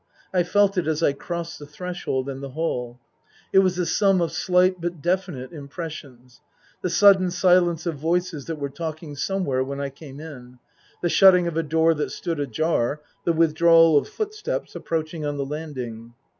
I felt it as I crossed the threshold and the hall. It was the sum of slight but definite impressions : the sudden silence of voices that were talking somewhere when I came in ; the shutting of a door that stood ajar ; the withdrawal of footsteps approaching on the landing.